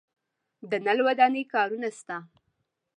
د نل دوانۍ کارونه شته